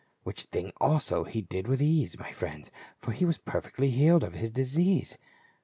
Which thing also he did with ease, my friends, for he was perfectly healed of his disease."